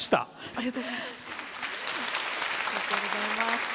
ありがとうございます。